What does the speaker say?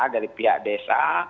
dari pihak desa